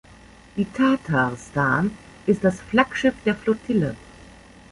Die "Tatarstan" ist das Flaggschiff der Flottille.